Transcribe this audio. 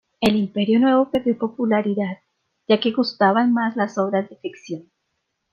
En el Imperio Nuevo perdió popularidad, ya que gustaban más las obras de ficción.